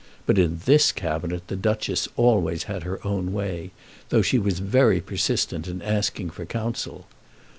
But in this cabinet the Duchess always had her own way, though she was very persistent in asking for counsel.